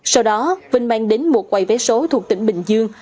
sau đó vinh mang đến một quầy vé số thuộc tỉnh bình dương